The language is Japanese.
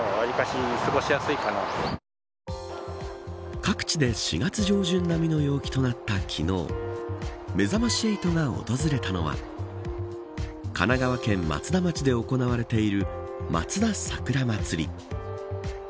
各地で４月上旬並みの陽気となった昨日めざまし８が訪れたのは神奈川県松田町で行われているまつだ桜まつり。